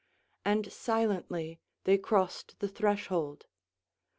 And silently they crossed the threshold.